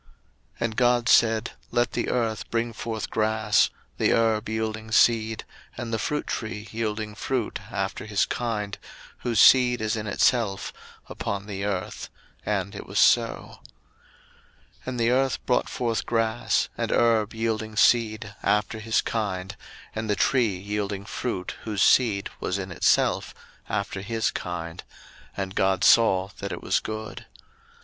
01:001:011 And God said, Let the earth bring forth grass, the herb yielding seed, and the fruit tree yielding fruit after his kind, whose seed is in itself, upon the earth: and it was so. 01:001:012 And the earth brought forth grass, and herb yielding seed after his kind, and the tree yielding fruit, whose seed was in itself, after his kind: and God saw that it was good.